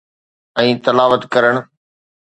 ۽ تلاوت ڪرڻ.